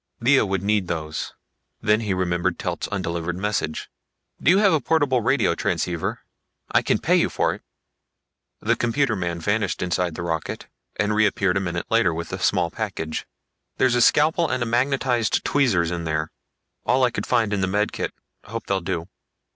Lea would need those. Then he remembered Telt's undelivered message. "Do you have a portable radio transceiver? I can pay you for it." The computer man vanished inside the rocket and reappeared a minute later with a small package. "There's a scalpel and a magnetized tweezers in here all I could find in the med kit. Hope they'll do."